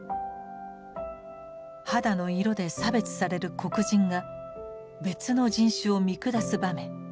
肌の色で差別される黒人が別の人種を見下す場面。